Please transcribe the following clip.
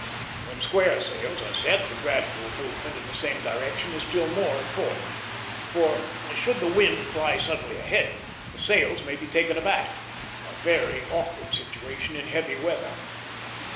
When square sails are set, this gradual movement in the same direction is still more important; for, should the wind fly suddenly ahead, the sails may be taken aback, a very awkward situation in heavy weather.